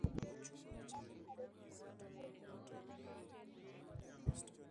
ne aneno adek adek ayeto aneno mudho mapek